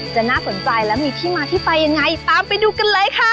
จะน่าสนใจและมีที่มาที่ไปยังไงตามไปดูกันเลยค่ะ